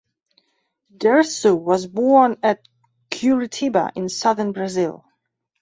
Dirceu was born at Curitiba, in southern Brazil.